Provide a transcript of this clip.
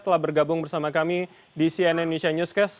telah bergabung bersama kami di cnn indonesia newscast